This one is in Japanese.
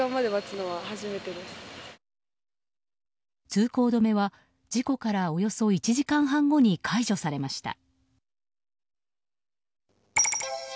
通行止めは事故からおよそ１時間半後に解除されました。